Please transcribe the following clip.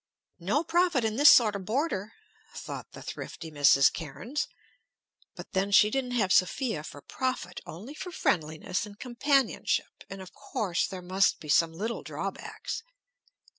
"No profit in this sort of boarder," thought the thrifty Mrs. Cairnes. But then she didn't have Sophia for profit, only for friendliness and companionship; and of course there must be some little drawbacks.